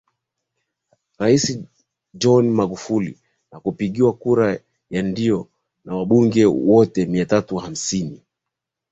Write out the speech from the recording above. rais John Magufuli na kupigiwa kura ya ndiyo na wabunge wote mia tatu hamsini